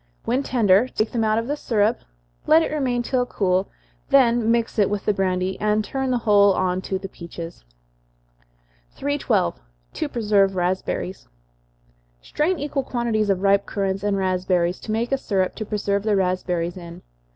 When tender, take them out of the syrup, let it remain till cool, then mix it with the brandy, and turn the whole on to the peaches. 312. To Preserve Raspberries. Strain equal quantities of ripe currants and raspberries, to make a syrup to preserve the raspberries in.